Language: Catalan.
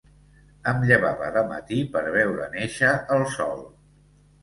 Em llevava de matí per veure néixer el sol.